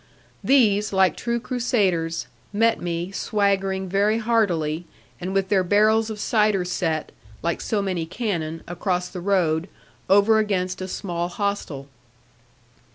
These, like true crusaders, met me, swaggering very heartily, and with their barrels of cider set, like so many cannon, across the road, over against a small hostel.